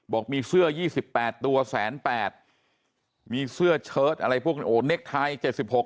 บอกมีเสื้อยี่สิบแปดตัวแสนแปดมีเสื้อชิ้นอะไรพวกอันนี้โอ้